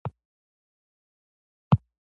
پروژې باید کیفیت ولري